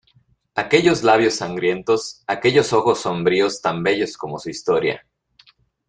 ¡ aquellos labios sangrientos, aquellos ojos sombríos tan bellos como su historia!...